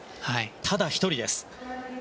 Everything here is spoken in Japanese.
ただ１人です。